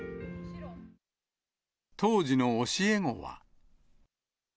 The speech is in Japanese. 当時の教え子は。